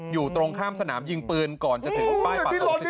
อยู่ตรงข้ามสนามยิงปืนก่อนจะถึงป้ายปากตรง๑๑